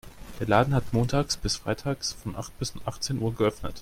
Der Laden hat montags bis freitags von acht bis achtzehn Uhr geöffnet.